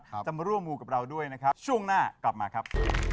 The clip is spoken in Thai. จะมาร่วมมูกับเราด้วยนะครับช่วงหน้ากลับมาครับ